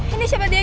ini siapa diego ya